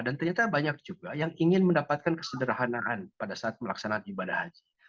dan ternyata banyak juga yang ingin mendapatkan kesederhanaan pada saat melaksanakan haji